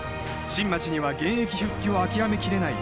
新町には現役復帰を諦めきれない